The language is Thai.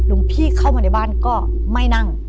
พี่เข้ามาในบ้านก็ไม่นั่ง